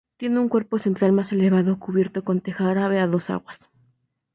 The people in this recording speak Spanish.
Tiene un cuerpo central más elevado cubierto con teja árabe a dos aguas.